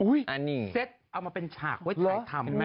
อุ๊ยเซ็ตเอามาเป็นฉากไว้ถ่ายทำ